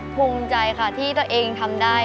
ภูมิใจค่ะที่ตัวเองทำได้